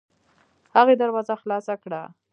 هغې دروازه خلاصه کړه.